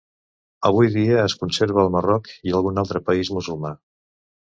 Avui dia es conserva al Marroc i algun altre país musulmà.